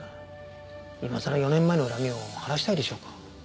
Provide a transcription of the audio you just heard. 今さら４年前の恨みを晴らしたいでしょうか？